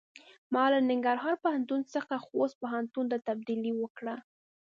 ما له ننګرهار پوهنتون څخه خوست پوهنتون ته تبدیلي وکړۀ.